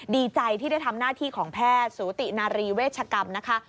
ดีใจที่ได้ทำหน้าที่ของแพทย์สูตินารีเวชกรรมนะคะ